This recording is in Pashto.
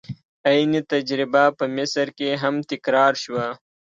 عین تجربه په مصر کې هم تکرار شوه.